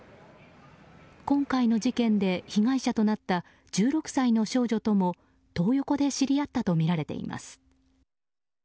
今回の事件で被害者となった１６歳の少女ともトー横で知り合ったとみられています。